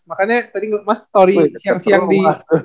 makanya tadi mas story siang siang di